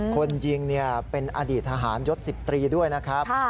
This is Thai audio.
คนยิงเป็นอดีตทหารยศ๑๐ตรีด้วยนะครับ